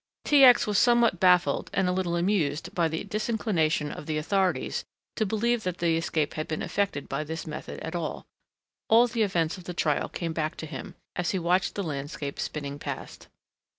T. X. was somewhat baffled and a little amused by the disinclination of the authorities to believe that the escape had been effected by this method at all. All the events of the trial came back to him, as he watched the landscape spinning past.